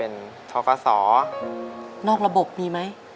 โดยโปรแกรมแม่รักลูกมาก